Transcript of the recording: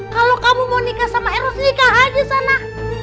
kalau kamu mau nikah sama eros nikah aja sana